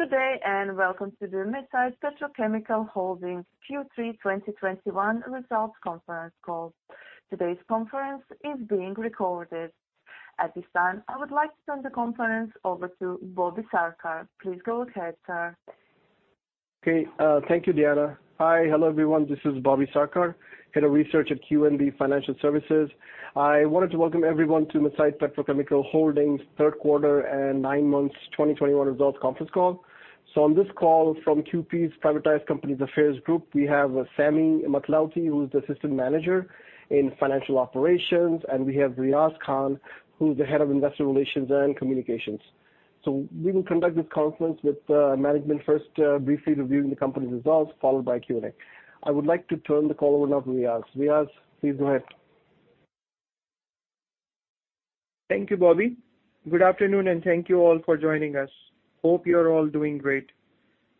Good day. Welcome to the Mesaieed Petrochemical Holding Q3 2021 results conference call. Today's conference is being recorded. At this time, I would like to turn the conference over to Bobby Sarkar. Please go ahead, sir. Thank you, Diana. Hi. Hello, everyone. This is Bobby Sarkar, Head of Research at QNB Financial Services. I wanted to welcome everyone to Mesaieed Petrochemical Holding third quarter and nine months 2021 results conference call. On this call from QatarEnergy's Privatized Companies Affairs group, we have Sami Mathlouthi, who is the Assistant Manager, Financial Operations, and we have Riaz Khan, who's the Head of Investor Relations and Communications. We will conduct this conference with management first, briefly reviewing the company's results, followed by Q&A. I would like to turn the call over now to Riaz. Riaz, please go ahead. Thank you, Bobby. Good afternoon. Thank you all for joining us. Hope you are all doing great.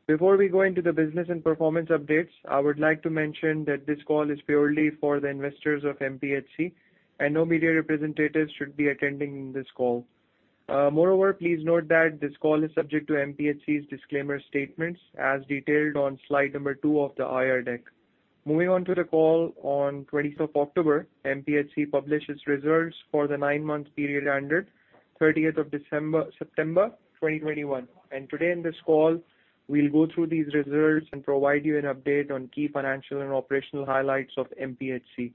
Before we go into the business and performance updates, I would like to mention that this call is purely for the investors of MPHC, and no media representatives should be attending this call. Moreover, please note that this call is subject to MPHC's disclaimer statements as detailed on slide number two of the IR deck. Moving on to the call on 25th October, MPHC published its reserves for the nine-month period ended 30th of September 2021. Today in this call, we'll go through these results and provide you an update on key financial and operational highlights of MPHC.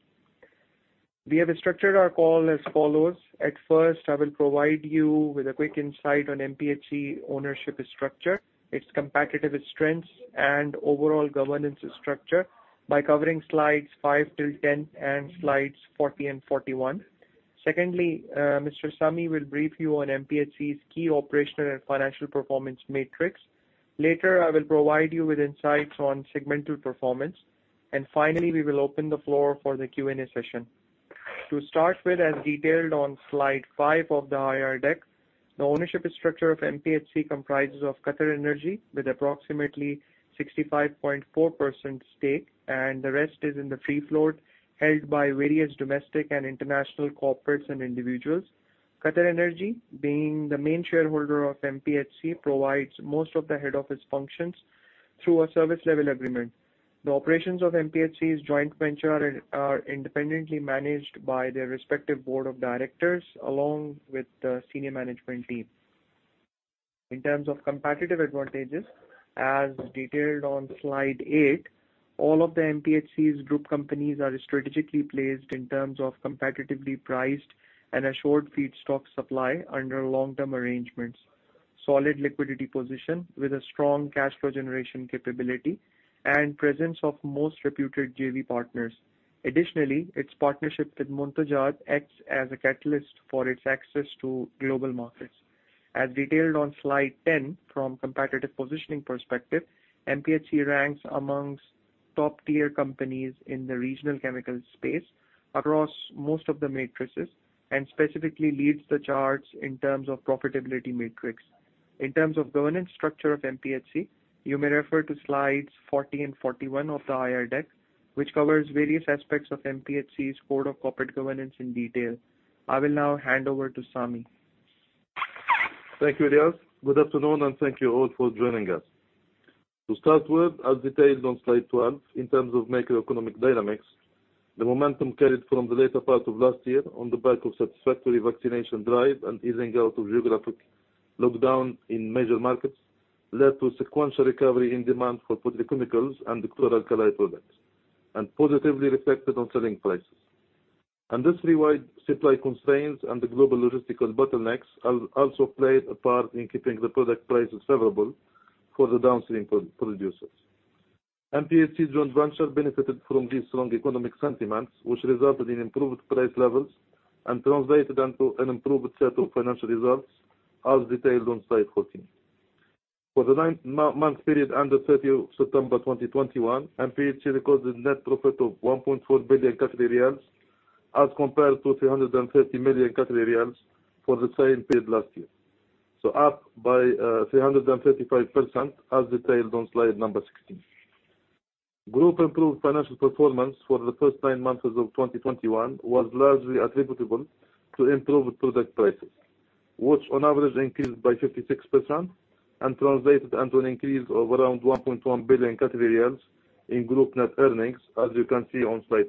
We have structured our call as follows. At first, I will provide you with a quick insight on MPHC ownership structure, its competitive strengths, and overall governance structure by covering slides five till 10 and slides 40 and 41. Secondly, Mr. Sami will brief you on MPHC's key operational and financial performance metrics. Later, I will provide you with insights on segmental performance. Finally, we will open the floor for the Q&A session. To start with, as detailed on slide five of the IR deck, the ownership structure of MPHC comprises of QatarEnergy with approximately 65.4% stake, and the rest is in the free float held by various domestic and international corporates and individuals. QatarEnergy, being the main shareholder of MPHC, provides most of the head office functions through a service level agreement. The operations of MPHC's joint venture are independently managed by their respective board of directors along with the senior management team. In terms of competitive advantages, as detailed on slide eight, all of the MPHC's group companies are strategically placed in terms of competitively priced and assured feedstock supply under long-term arrangements, solid liquidity position with a strong cash flow generation capability, and presence of most reputed JV partners. Additionally, its partnership with Muntajat acts as a catalyst for its access to global markets. As detailed on slide 10, from competitive positioning perspective, MPHC ranks amongst top-tier companies in the regional chemical space across most of the matrices, and specifically leads the charts in terms of profitability matrix. In terms of governance structure of MPHC, you may refer to slides 40 and 41 of the IR deck, which covers various aspects of MPHC's code of corporate governance in detail. I will now hand over to Sami. Thank you, Riaz. Good afternoon, and thank you all for joining us. To start with, as detailed on slide 12, in terms of macroeconomic dynamics, the momentum carried from the later part of last year on the back of satisfactory vaccination drive and easing out of geographic lockdown in major markets led to sequential recovery in demand for petrochemicals and chlor-alkali products, and positively reflected on selling prices. Industry-wide supply constraints and the global logistical bottlenecks also played a part in keeping the product prices favorable for the downstream producers. MPHC joint venture benefited from these strong economic sentiments, which resulted in improved price levels and translated into an improved set of financial results as detailed on slide 14. For the nine-month period ended 30 September 2021, MPHC recorded net profit of 1.4 billion as compared to 330 million for the same period last year. Up by 335% as detailed on slide number 16. Group improved financial performance for the first nine months as of 2021 was largely attributable to improved product prices, which on average increased by 56% and translated into an increase of around 1.1 billion in group net earnings as you can see on slide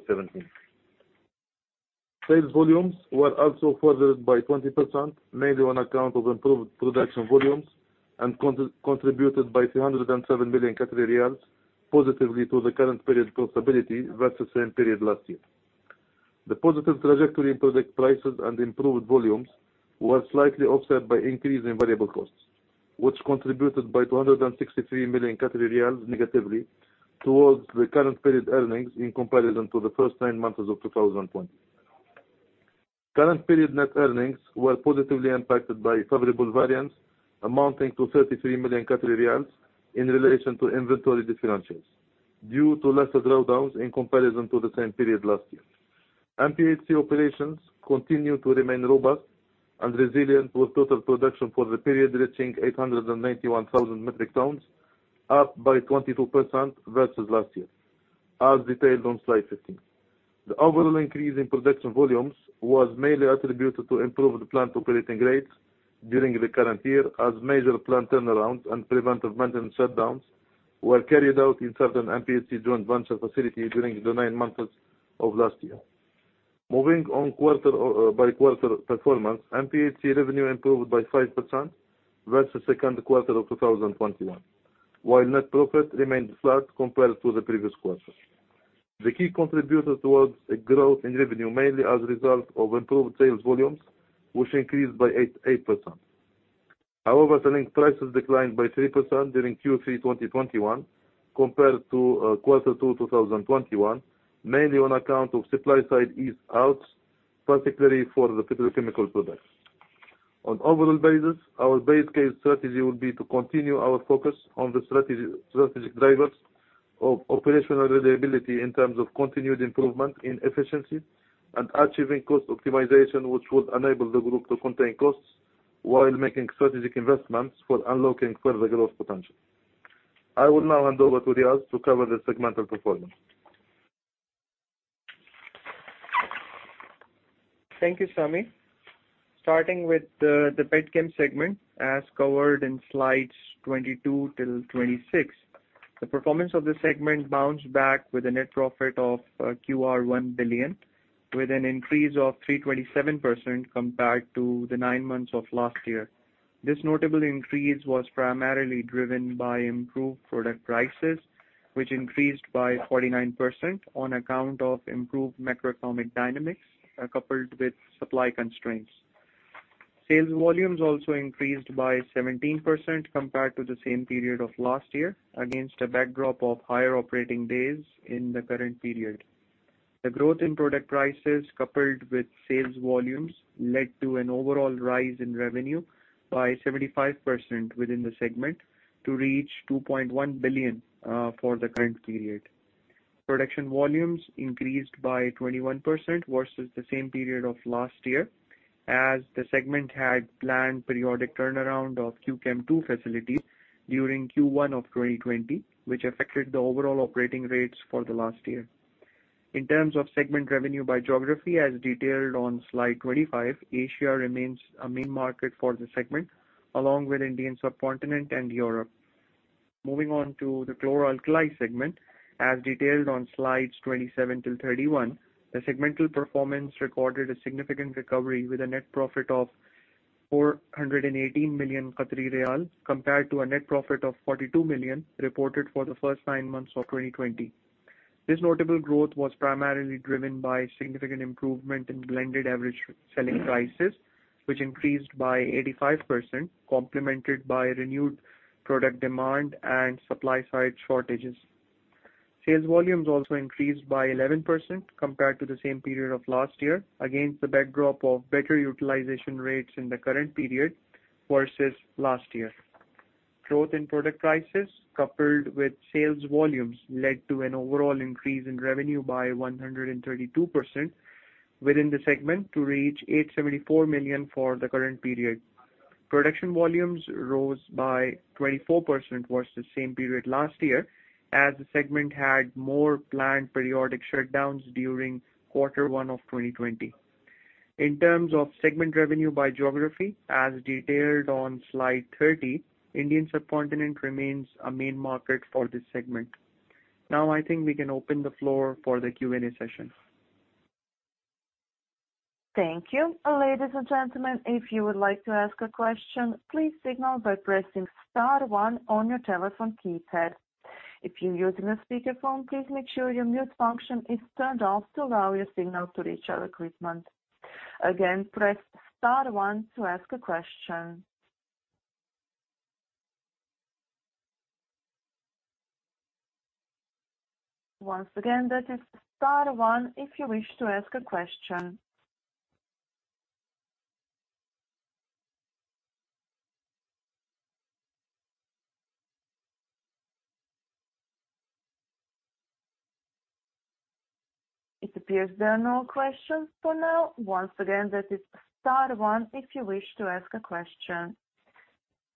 17. Sales volumes were also furthered by 20%, mainly on account of improved production volumes and contributed by 307 million Qatari riyals positively to the current period profitability versus same period last year. The positive trajectory in product prices and improved volumes was slightly offset by increase in variable costs, which contributed by 263 million Qatari riyals negatively towards the current period earnings in comparison to the first nine months of 2020. Current period net earnings were positively impacted by favorable variance amounting to 33 million Qatari riyals in relation to inventory differentials due to lesser drawdowns in comparison to the same period last year. MPHC operations continue to remain robust and resilient, with total production for the period reaching 891,000 metric tons, up by 22% versus last year. As detailed on slide 15. The overall increase in production volumes was mainly attributed to improved plant operating rates during the current year, as major plant turnaround and preventive maintenance shutdowns were carried out in certain MPHC joint venture facilities during the nine months of last year. Moving on quarter-by-quarter performance, MPHC revenue improved by 5% versus second quarter of 2021, while net profit remained flat compared to the previous quarter. The key contributors towards a growth in revenue, mainly as a result of improved sales volumes, which increased by 8%. However, selling prices declined by 3% during Q3 2021 compared to quarter two 2021, mainly on account of supply side ease outs, particularly for the petrochemical products. On overall basis, our base case strategy will be to continue our focus on the strategic drivers of operational reliability in terms of continued improvement in efficiency and achieving cost optimization, which would enable the group to contain costs while making strategic investments for unlocking further growth potential. I will now hand over to Riaz to cover the segmental performance. Thank you, Sami. Starting with the petchem segment, as covered in slides 22-26. The performance of the segment bounced back with a net profit of 1 billion, with an increase of 327% compared to the nine months of last year. This notable increase was primarily driven by improved product prices, which increased by 49% on account of improved macroeconomic dynamics, coupled with supply constraints. Sales volumes also increased by 17% compared to the same period of last year, against a backdrop of higher operating days in the current period. The growth in product prices, coupled with sales volumes, led to an overall rise in revenue by 75% within the segment to reach 2.1 billion for the current period. Production volumes increased by 21% versus the same period of last year, as the segment had planned periodic turnaround of Q-Chem II facilities during Q1 of 2020, which affected the overall operating rates for the last year. In terms of segment revenue by geography, as detailed on slide 25, Asia remains a main market for the segment, along with Indian subcontinent and Europe. Moving on to the chlor-alkali segment, as detailed on slides 27 till 31. The segmental performance recorded a significant recovery with a net profit of 418 million, compared to a net profit of 42 million reported for the first nine months of 2020. This notable growth was primarily driven by significant improvement in blended average selling prices, which increased by 85%, complemented by renewed product demand and supply side shortages. Sales volumes also increased by 11% compared to the same period of last year, against the backdrop of better utilization rates in the current period versus last year. Growth in product prices, coupled with sales volumes, led to an overall increase in revenue by 132% within the segment to reach 874 million for the current period. Production volumes rose by 24% versus the same period last year, as the segment had more planned periodic shutdowns during quarter one of 2020. In terms of segment revenue by geography, as detailed on slide 30, Indian subcontinent remains a main market for this segment. I think we can open the floor for the Q&A session. Thank you. Ladies and gentlemen, if you would like to ask a question, please signal by pressing star one on your telephone keypad. If you're using a speakerphone, please make sure your mute function is turned off to allow your signal to reach our equipment. Again, press star one to ask a question. Once again, that is star one if you wish to ask a question. It appears there are no questions for now. Once again, that is star one if you wish to ask a question.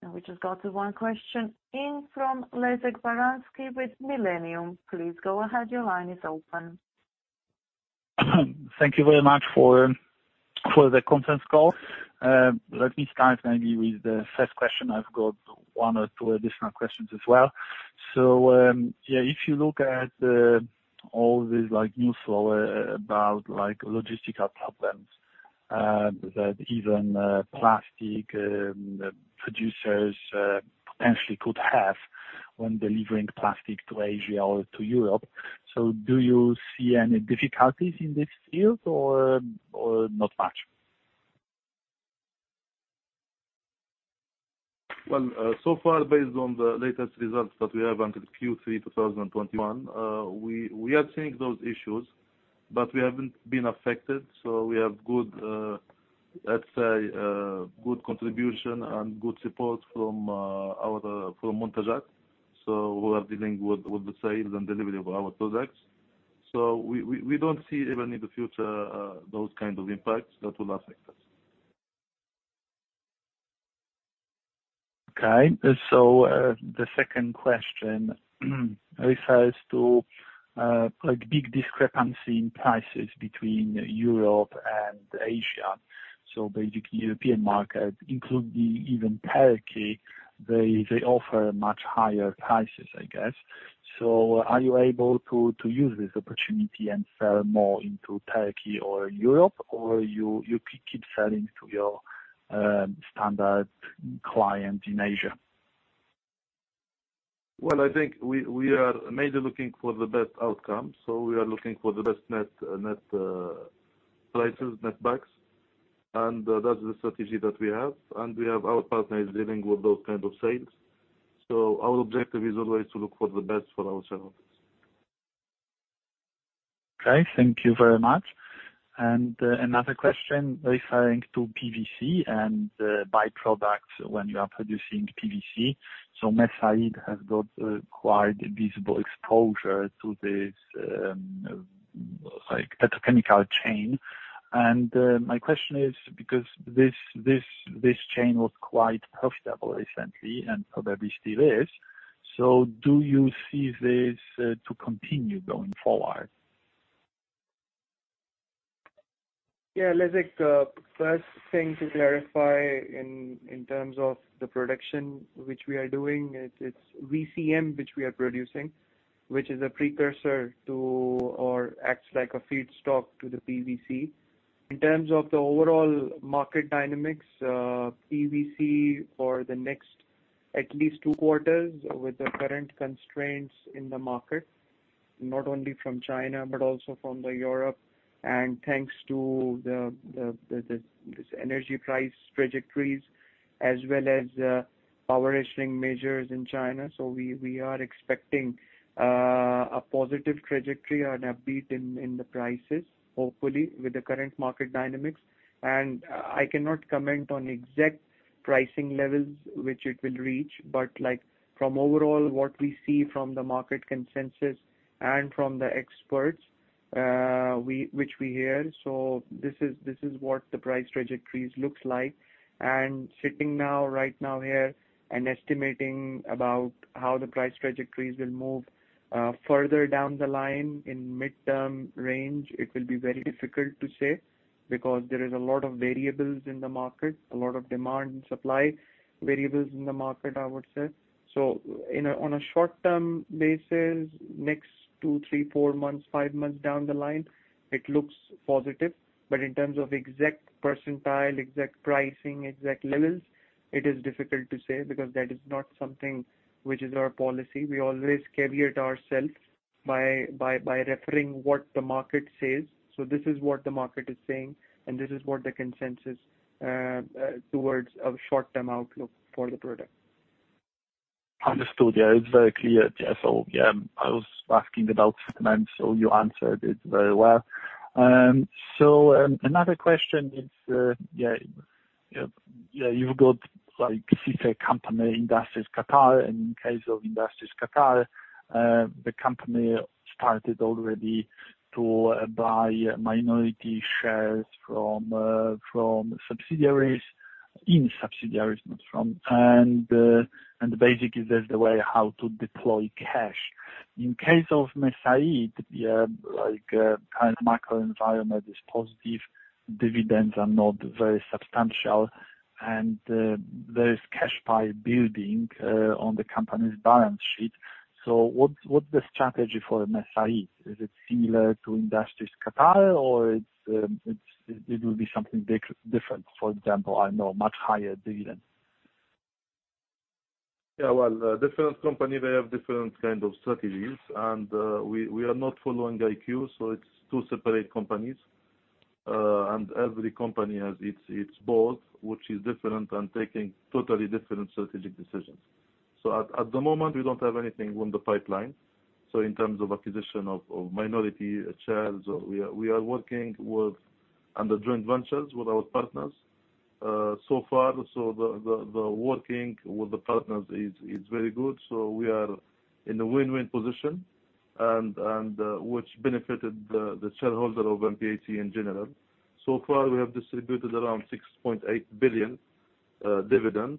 We just got one question in from Leszek Baranski with Millennium. Please go ahead. Your line is open. Thank you very much for the conference call. Let me start maybe with the first question. I've got one or two additional questions as well. Yeah, if you look at all these news flow about logistical problems that even plastic producers potentially could have when delivering plastic to Asia or to Europe. Do you see any difficulties in this field or not much? Based on the latest results that we have until Q3 2021, we are seeing those issues, but we haven't been affected. We have good, let's say, good contribution and good support from Muntajat. Who are dealing with the sales and delivery of our products. We don't see even in the future those kind of impacts that will affect us. Okay. The second question refers to big discrepancy in prices between Europe and Asia. Basically European market, including even Turkey, they offer much higher prices, I guess. Are you able to use this opportunity and sell more into Turkey or Europe, or you keep selling to your standard client in Asia? I think we are majorly looking for the best outcome. We are looking for the best net prices, netbacks, and that's the strategy that we have. We have our partners dealing with those kind of sales. Our objective is always to look for the best for our shareholders. Okay, thank you very much. Another question referring to PVC and byproducts when you are producing PVC. Mesaieed has got quite visible exposure to this petrochemical chain. My question is, because this chain was quite profitable recently and probably still is, do you see this to continue going forward? Yeah, Leszek, first thing to clarify in terms of the production which we are doing, it's VCM which we are producing, which is a precursor to or acts like a feedstock to the PVC. In terms of the overall market dynamics, PVC for the next at least two quarters with the current constraints in the market, not only from China but also from Europe and thanks to this energy price trajectories as well as power rationing measures in China. We are expecting a positive trajectory or an upbeat in the prices hopefully with the current market dynamics. I cannot comment on exact pricing levels which it will reach. From overall what we see from the market consensus and from the experts which we hear, this is what the price trajectories looks like. Sitting now, right now here and estimating about how the price trajectories will move further down the line in midterm range, it will be very difficult to say because there is a lot of variables in the market, a lot of demand and supply variables in the market, I would say. On a short-term basis, next two, three, four months, five months down the line, it looks positive. In terms of exact percentile, exact pricing, exact levels, it is difficult to say because that is not something which is our policy. We always caveat ourselves by referring what the market says. This is what the market is saying, this is what the consensus towards a short-term outlook for the product. Understood. Yeah, it's very clear. I was asking about finance, you answered it very well. Another question is, you've got sister company, Industries Qatar. In case of Industries Qatar, the company started already to buy minority shares in subsidiaries. Basically, that's the way how to deploy cash. In case of Mesaieed, current macro environment is positive, dividends are not very substantial, and there is cash pile building on the company's balance sheet. What's the strategy for Mesaieed? Is it similar to Industries Qatar or it will be something different? For example, I know much higher dividend. Well, different company, they have different kind of strategies. We are not following IQ, it's two separate companies. Every company has its board, which is different and taking totally different strategic decisions. At the moment, we don't have anything on the pipeline. In terms of acquisition of minority shares, we are working with under joint ventures with our partners so far. The working with the partners is very good. We are in a win-win position, and which benefited the shareholder of MPHC in general. So far, we have distributed around 6.8 billion dividend,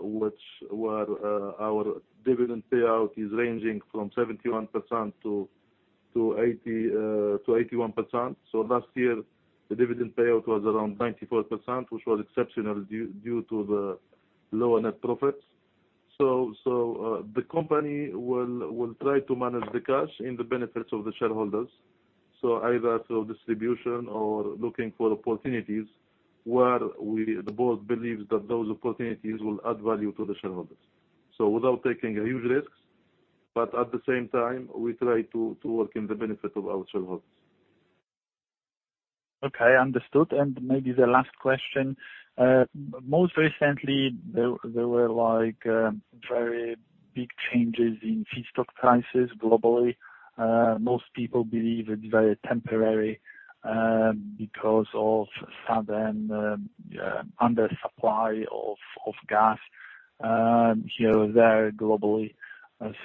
which our dividend payout is ranging from 71%-81%. Last year the dividend payout was around 94%, which was exceptional due to the lower net profits. The company will try to manage the cash in the benefits of the shareholders. Either through distribution or looking for opportunities where the board believes that those opportunities will add value to the shareholders. Without taking a huge risks, but at the same time, we try to work in the benefit of our shareholders. Okay, understood. Maybe the last question. Most recently, there were very big changes in feedstock prices globally. Most people believe it's very temporary because of sudden undersupply of gas here or there globally.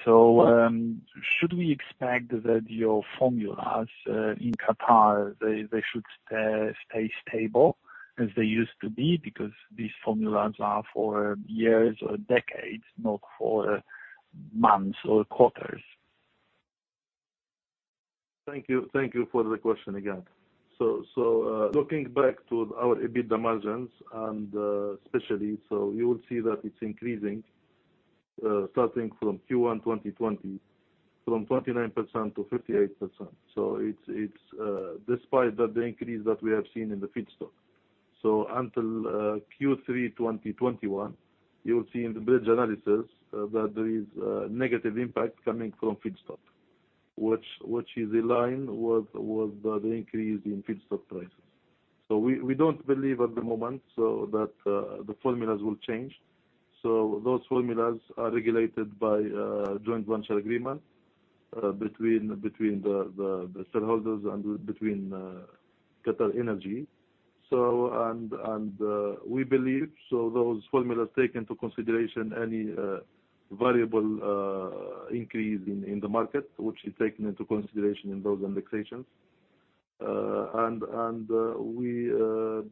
Should we expect that your formulas in Qatar, they should stay stable as they used to be? Because these formulas are for years or decades, not for months or quarters. Thank you for the question again. Looking back to our EBITDA margins, and especially, you will see that it's increasing, starting from Q1 2020, from 29%-58%. It's despite the increase that we have seen in the feedstock. Until Q3 2021, you will see in the bridge analysis that there is a negative impact coming from feedstock, which is in line with the increase in feedstock prices. We don't believe at the moment that the formulas will change. Those formulas are regulated by a joint venture agreement between the shareholders and between QatarEnergy. We believe those formulas take into consideration any variable increase in the market, which is taken into consideration in those indexations. We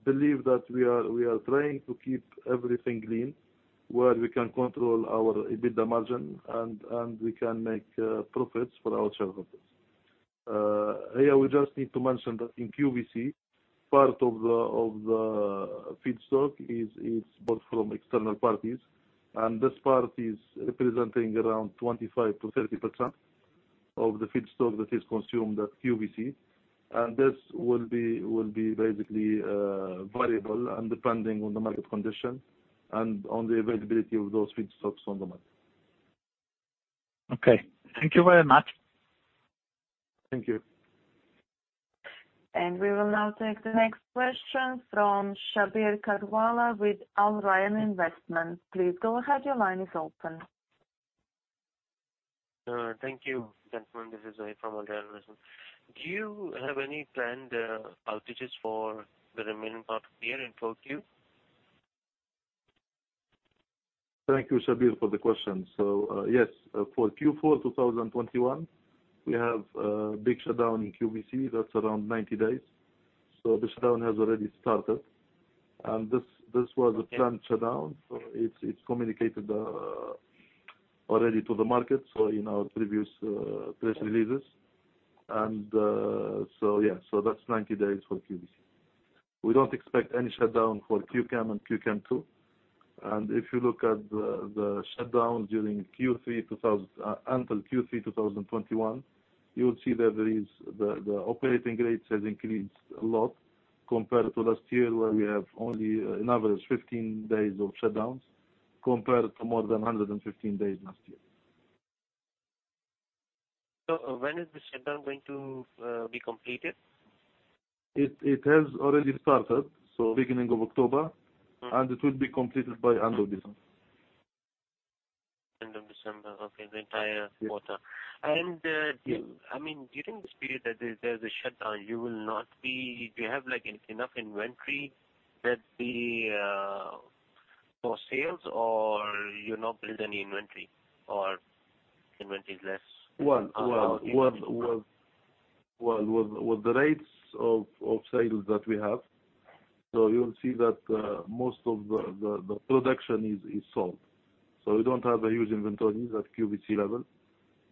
believe that we are trying to keep everything green where we can control our EBITDA margin and we can make profits for our shareholders. Here we just need to mention that in QVC, part of the feedstock is bought from external parties, and this part is representing around 25%-30% of the feedstock that is consumed at QVC. This will be basically variable and depending on the market condition and on the availability of those feedstocks on the market. Okay. Thank you very much. Thank you. We will now take the next question from Shabbir Karwala with Al Rayan Investment. Please go ahead. Your line is open. Thank you. Gentlemen, this is Shabbir from Al Rayan Investment. Do you have any planned outages for the remaining part of the year in full Q? Thank you, Shabbir, for the question. Yes, for Q4 2021, we have a big shutdown in QVC, that's around 90 days. The shutdown has already started, and this was a planned shutdown. It's communicated already to the market, so in our previous press releases. That's 90 days for QVC. We don't expect any shutdown for Q-Chem and Q-Chem II. If you look at the shutdown during until Q3 2021, you will see that the operating rates has increased a lot compared to last year, where we have only an average 15 days of shutdowns compared to more than 115 days last year. When is the shutdown going to be completed? It has already started, so beginning of October, and it will be completed by end of December. End of December. Okay. The entire quarter. Yes. During this period that there's a shutdown, do you have enough inventory for sales, or you not build any inventory, or inventory is less? Well, with the rates of sales that we have, you will see that most of the production is sold. We don't have a huge inventory at QVC level.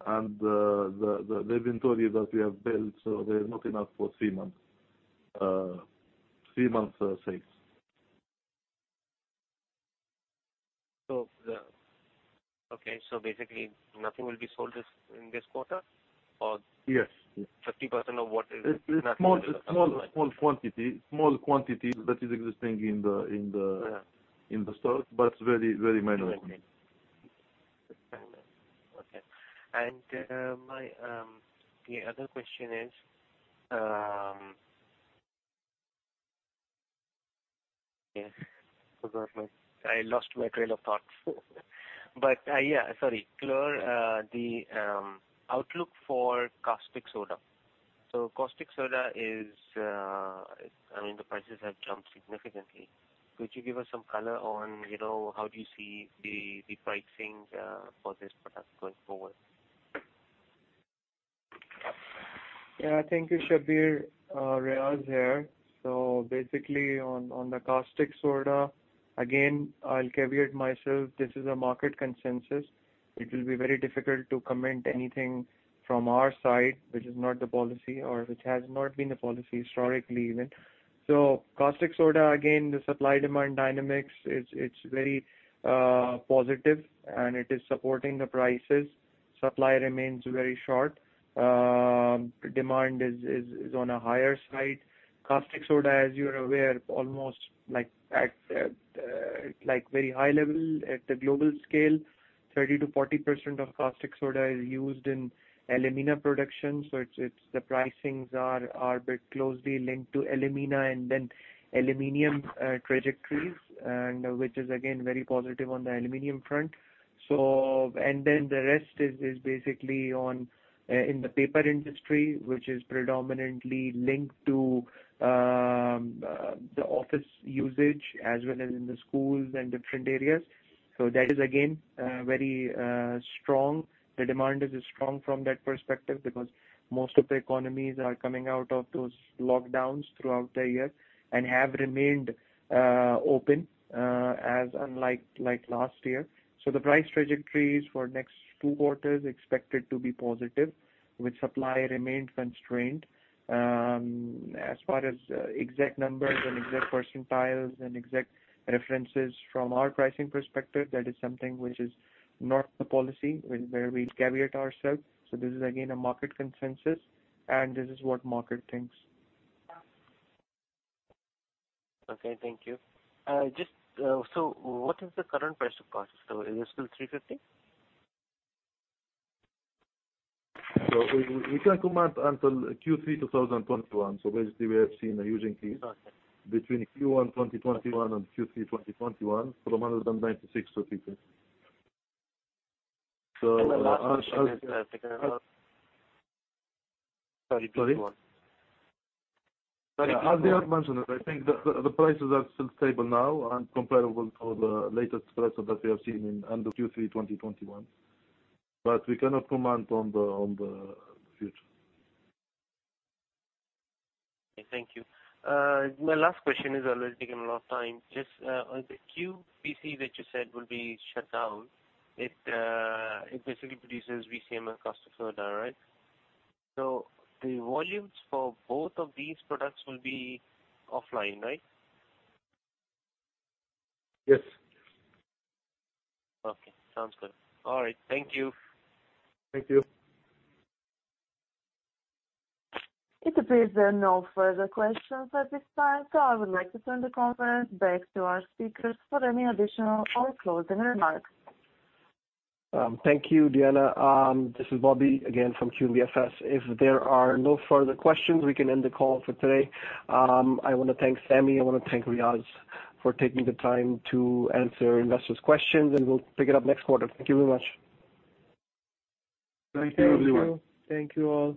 The inventory that we have built, they're not enough for three months sales. Okay. Basically nothing will be sold in this quarter or? Yes 50% of what is. It's small quantity that is existing in the stock, but very minimal. Okay. The other question is, I lost my trail of thought. Yeah, sorry. Color the outlook for caustic soda. Caustic soda is The prices have jumped significantly. Could you give us some color on how do you see the pricing for this product going forward? Yeah. Thank you, Shabbir. Riaz here. Basically on the caustic soda, again, I'll caveat myself, this is a market consensus. It will be very difficult to comment anything from our side, which is not the policy or which has not been the policy historically even. Caustic soda, again, the supply-demand dynamics, it's very positive and it is supporting the prices. Supply remains very short. Demand is on a higher side. Caustic soda, as you are aware, almost like at very high level at the global scale, 30%-40% of caustic soda is used in alumina production. The pricings are a bit closely linked to alumina and then aluminum trajectories, and which is again very positive on the aluminum front. The rest is basically in the paper industry, which is predominantly linked to the office usage as well as in the schools and different areas. That is again, very strong. The demand is strong from that perspective because most of the economies are coming out of those lockdowns throughout the year and have remained open as unlike last year. The price trajectories for next two quarters are expected to be positive, with supply remained constrained. As far as exact numbers and exact percentiles and exact references from our pricing perspective, that is something which is not the policy where we caveat ourselves. This is again a market consensus, and this is what market thinks. Okay. Thank you. What is the current price of caustic? Is it still 350? We can comment until Q3 2021. Basically we have seen a huge increase. Okay between Q1 2021 and Q3 2021 from QAR 196 to QAR 350. The last question is 31. As Riaz mentioned, I think the prices are still stable now and comparable to the latest prices that we have seen end of Q3 2021. We cannot comment on the future. Okay, thank you. My last question is, I know it's taken a lot of time, just on the QVC that you said will be shut down, it basically produces VCM and caustic soda, right? The volumes for both of these products will be offline, right? Yes. Okay. Sounds good. All right. Thank you. Thank you. It appears there are no further questions at this time, so I would like to turn the conference back to our speakers for any additional or closing remarks. Thank you, Diana. This is Bobby again from QNB FS. If there are no further questions, we can end the call for today. I want to thank Sami, I want to thank Riaz for taking the time to answer investors' questions, and we'll pick it up next quarter. Thank you very much. Thank you, everyone. Thank you. Thank you all.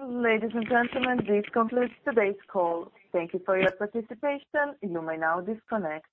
Ladies and gentlemen, this concludes today's call. Thank you for your participation. You may now disconnect.